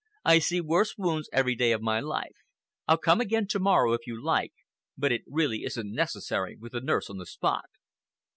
"I see worse wounds every day of my life. I'll come again to morrow, if you like, but it really isn't necessary with the nurse on the spot."